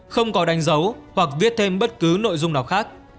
không có đánh dấu hoặc viết thêm bất cứ nội dung nào khác